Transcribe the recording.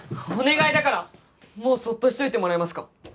お願いだからもうそっとしておいてもらえますか？